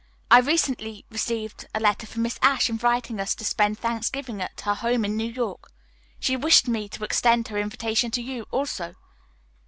I recently received a letter from Miss Ashe inviting us to spend Thanksgiving at her home in New York. She wished me to extend her invitation to you, also.